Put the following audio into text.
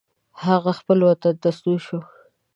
هغه خپل وطن ته ستون شو.